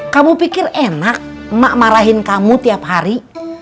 kamu pikir enak mak marahin kamu tiap hari